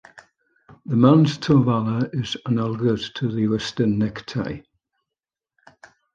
The man's ta'ovala is analogous to the Western necktie.